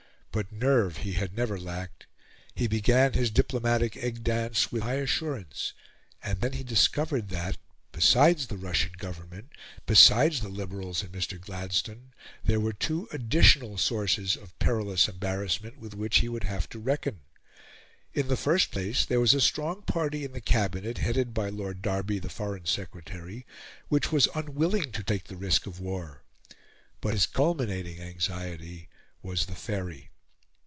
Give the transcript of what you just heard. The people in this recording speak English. But nerve he had never lacked; he began his diplomatic egg dance with high assurance; and then he discovered that, besides the Russian Government, besides the Liberals and Mr. Gladstone, there were two additional sources of perilous embarrassment with which he would have to reckon. In the first place there was a strong party in the Cabinet, headed by Lord Derby, the Foreign Secretary, which was unwilling to take the risk of war; but his culminating anxiety was the Faery.